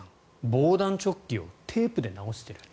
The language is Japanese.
防弾チョッキをテープで直している。